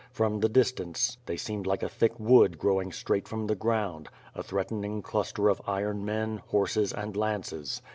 From the distance, they eeemed like a thick wood growing straight from the ground, a threatening cluster of iron men, horses, and lances.